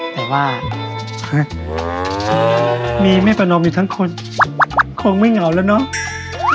แต่ว่ามีแม่ประนอมอยู่ทั้งคนคงไม่เหงาแล้วเนาะ